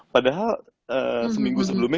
padahal seminggu sebelumnya